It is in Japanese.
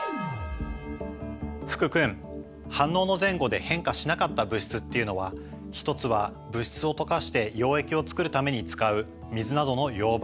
福君反応の前後で変化しなかった物質っていうのは一つは物質を溶かして溶液を作るために使う水などの溶媒。